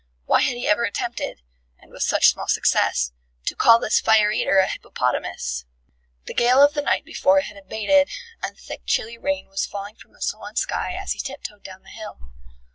Why had he ever attempted (and with such small success) to call this fire eater a hippopotamus? The gale of the night before had abated, and thick chilly rain was falling from a sullen sky as he tiptoed down the hill.